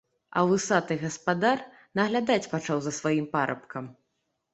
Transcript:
А вусаты гаспадар наглядаць пачаў за сваім парабкам.